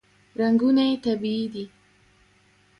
رنګونه یې طبیعي دي.